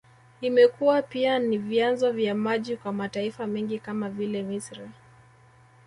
Imekuwa pia ni vyanzo vya maji kwa mataifa mengi kama vile Misri